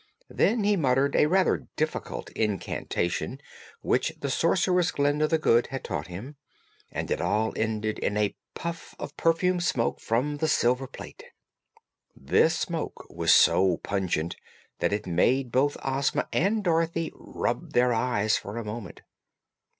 Then he muttered a rather difficult incantation which the sorceress Glinda the Good had taught him, and it all ended in a puff of perfumed smoke from the silver plate. This smoke was so pungent that it made both Ozma and Dorothy rub their eyes for a moment.